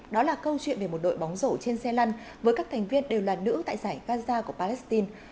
đó là câu chuyện về một đội bóng rổ trên xe lăn với các thành viên đều là nữ tại giải gaza của palestine